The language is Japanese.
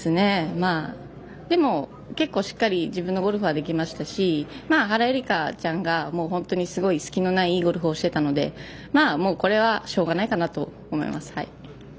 でも、結構しっかり自分のゴルフもできましたし原英莉花ちゃんがすごい隙のないいいゴルフをしていたのでもうこれはしょうがないかなと思います。